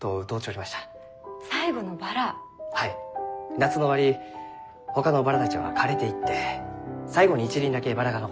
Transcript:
夏の終わりほかのバラたちは枯れていって最後に一輪だけバラが残っちゅう。